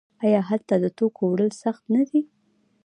آیا هلته د توکو وړل سخت نه دي؟